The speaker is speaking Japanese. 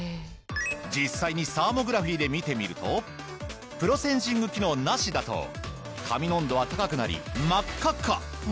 実際にサーモグラフィーで見てみるとプロセンシング機能なしだと髪の温度は高くなり真っ赤っか！